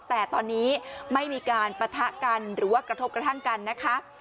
แต่ตอนนี้ไม่มีการปะทะกันหรือว่ากระทบกระทั่งกันนะคะ